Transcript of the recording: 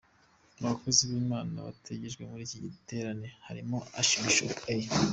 Mu bakozi b’Imana bategerejwe muri iki giterane harimo Arch Bishop A.